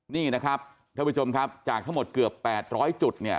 นี่นะครับท่านผู้ชมครับจากทั้งหมดเกือบ๘๐๐จุดเนี่ย